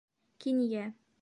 Кинйә.